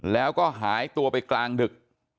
แล้วก็หายตัวไปกลางดึก